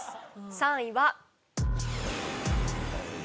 ３位は。